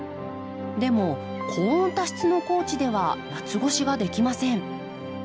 でも高温多湿の高知では夏越しができません。